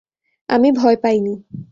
আমি ভয় পাইনি।